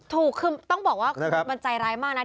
ถูกคือต้องบอกว่ามันใจร้ายมากนะ